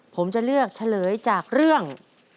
ผมจะเลือกเฉลยจากเรื่อง